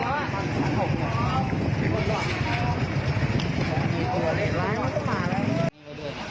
ขอร้อง